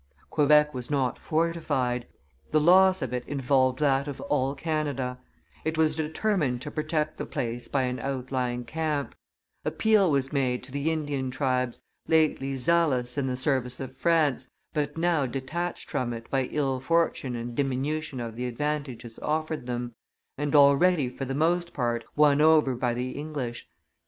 Quebec was not fortified; the loss of it involved that of all Canada; it was determined to protect the place by an outlying camp; appeal was made to the Indian tribes, lately zealous in the service of France, but now detached from it by ill fortune and diminution of the advantages offered them, and already for the most part won over by the English.